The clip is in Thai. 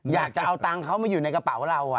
อยากจะเอาตังค์เขามาอยู่ในกระเป๋าเรา